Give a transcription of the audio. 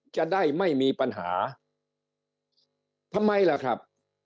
จะได้ไม่มีปัญหาทำไมล่ะครับ